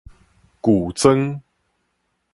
舊莊